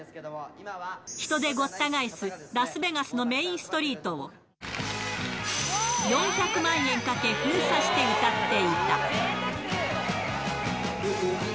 人でごった返すラスベガスのメインストリートを、４００万円かけ、封鎖して歌っていた。